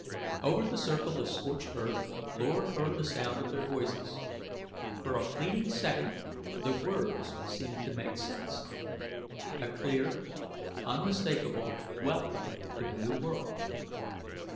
Over the circle of scorched earth Lord heard the sound of their voices. For a fleeting second the words seemed to make sense a clear, unmistakable welcome to the new world.